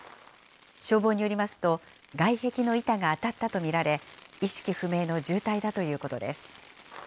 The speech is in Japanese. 消防によりますと、外壁の板が当たったと見られ、意識不明の重体だということです。